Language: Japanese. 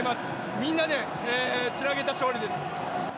みんなでつなげた勝利です。